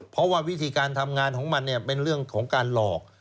เพราะว่าวิธีการทำงานของมันเป็นเรื่องของการหลอก